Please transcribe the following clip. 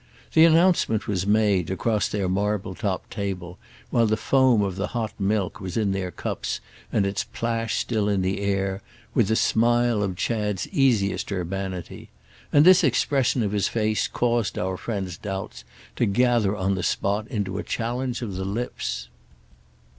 The announcement was made, across their marble topped table, while the foam of the hot milk was in their cups and its plash still in the air, with the smile of Chad's easiest urbanity; and this expression of his face caused our friend's doubts to gather on the spot into a challenge of the lips.